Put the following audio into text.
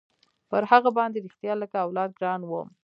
پر هغه باندې رښتيا لکه اولاد ګران وم.